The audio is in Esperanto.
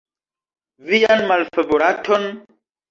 Vian malfavoraton?